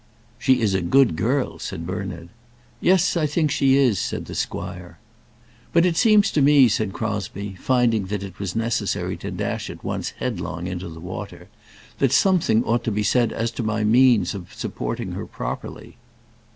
"She is a good girl," said Bernard. "Yes; I think she is," said the squire. "But it seems to me," said Crosbie, finding that it was necessary to dash at once headlong into the water, "that something ought to be said as to my means of supporting her properly."